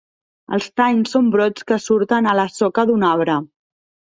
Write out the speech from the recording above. Els tanys són brots que surten a la soca d’un arbre.